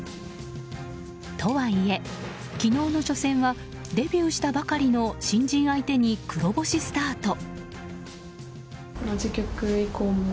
とはいえ、昨日の初戦はデビューしたばかりの新人相手に黒星スタート。